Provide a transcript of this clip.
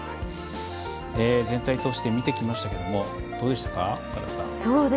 全体通して見てきましたけれどもどうでしたか？